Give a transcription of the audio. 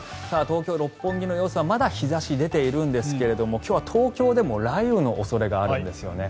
東京・六本木の様子はまだ日差しが出ているんですが今日は東京でも雷雨の恐れがあるんですよね。